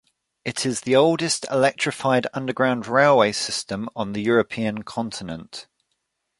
It is the oldest electrified underground railway system on the European continent.